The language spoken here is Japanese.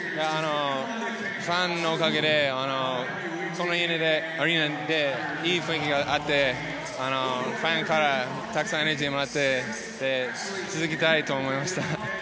ファンのおかげでこのアリーナでいい雰囲気があって、ファンからたくさんエナジーをもらって走り続けたいと思いました。